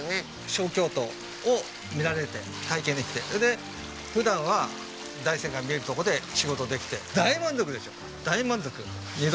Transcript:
小京都を見られて体験できてで普段は大山が見える所で仕事できて大満足でしょ大満足。